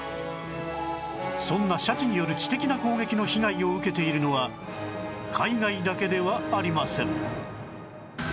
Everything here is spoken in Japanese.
そんなシャチによる知的な攻撃の被害を受けているのは海外だけではありません